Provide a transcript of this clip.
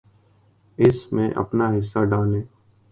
اس میں اپنا حصہ ڈالیں۔